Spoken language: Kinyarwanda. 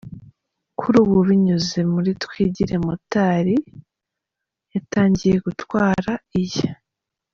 Kuri ubu binyuze muri Twigire motari, yatangiye gutwara iye.